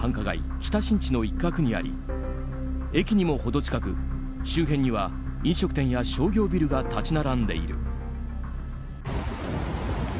北新地の一角にあり駅にも程近く、周辺には飲食店や商業ビルが立ち並んでいる。